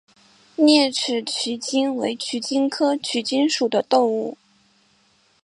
栗齿鼩鼱为鼩鼱科鼩鼱属的动物。